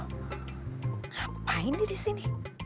ngapain dia di sini